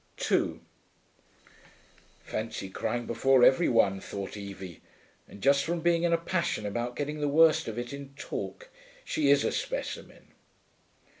2 'Fancy crying before every one,' thought Evie. 'And just from being in a passion about getting the worst of it in talk. She is a specimen.'